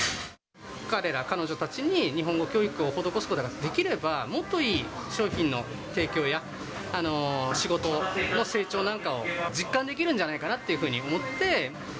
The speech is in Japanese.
彼ら、彼女たちに、日本語教育を施すことができれば、もっといい商品の提供や、仕事の成長なんかを実感できるんじゃないかなっていうふうに思って。